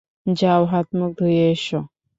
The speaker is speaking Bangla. যাও, হাত-মুখ ধুয়ে এস।